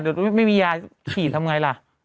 เดี๋ยวไม่มียาขี่ทำไงล่ะ